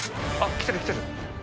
来てる来てる。